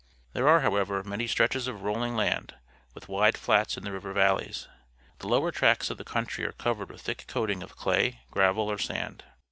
There are, however, many stretches of rolling land, with wide flats in the river valleys. The lower tracts of the country are covered with _„aihick coating of clay, gravel, or sand.